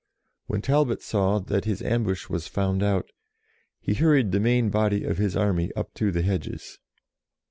When Talbot saw that his ambush was found out, he hurried the main body of his army up to the hedges.